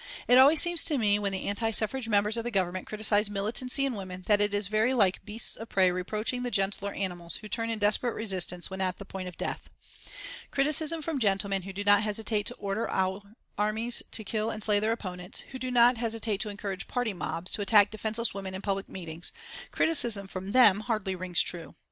It always seems to me when the anti suffrage members of the Government criticise militancy in women that it is very like beasts of prey reproaching the gentler animals who turn in desperate resistance when at the point of death. Criticism from gentlemen who do not hesitate to order out armies to kill and slay their opponents, who do not hesitate to encourage party mobs to attack defenceless women in public meetings criticism from them hardly rings true.